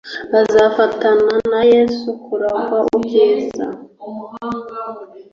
bazafatanya na Yesu kuragwa ubwiza.